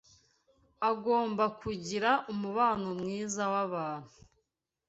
Agomba kugira umubano mwiza w’abantu